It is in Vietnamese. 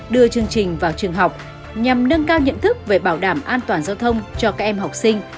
đưa chương trình vào trường học nhằm nâng cao nhận thức về bảo đảm an toàn giao thông cho các em học sinh